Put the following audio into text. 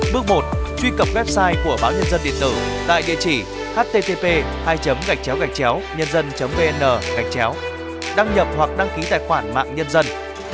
bước một truy cập website của báo nhân dân điện tử tại địa chỉ http nhân vn vn đăng nhập hoặc đăng ký tài khoản mạng nhân dân